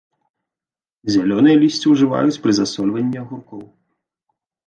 Зялёнае лісце ўжываюць пры засольванні агуркоў.